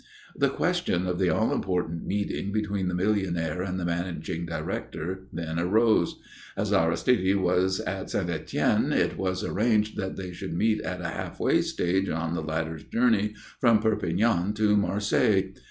The question of the all important meeting between the millionaire and the managing director then arose. As Aristide was at St. Étienne it was arranged that they should meet at a halfway stage on the latter's journey from Perpignan to Marseilles.